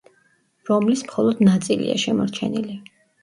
რომლის მხოლოდ ნაწილია შემორჩენილი.